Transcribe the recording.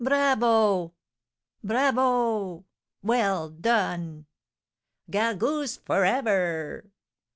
"Bravo, bravo! Well done!" "Gargousse for ever!"